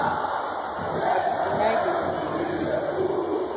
I be deny de tin.